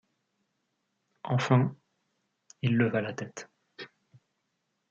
Enfin, il leva la tête.